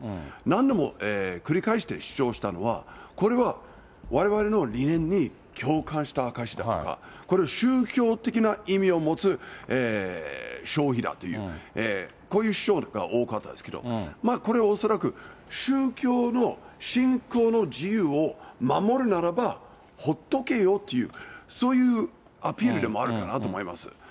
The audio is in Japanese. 何度も繰り返して主張したのは、これはわれわれの理念に共感した証しだとか、これは宗教的な意味を持つ消費だという、こういう主張が多かったですけど、これは恐らく、宗教の信仰の自由を守るならば、ほっとけよという、そういうアピールでもあるかなと思います。